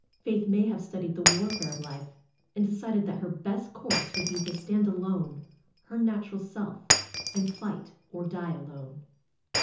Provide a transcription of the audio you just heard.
Faith may have studied the warfare of life and de cided that her best course would be to stand alone, her natural self and fight or die alone.